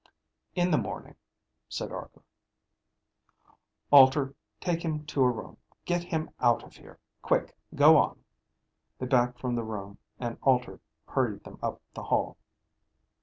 "In the morning," said Arkor. "Alter, take him to a room. Get him out of here. Quick. Go on." They backed from the room and Alter hurried them up the hall.